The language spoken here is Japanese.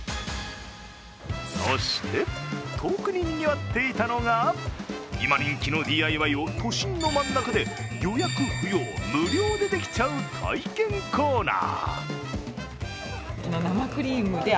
そして、特ににぎわっていたのが今人気のＤＩＹを都心の真ん中で予約不要、無料でできちゃう体験コーナー。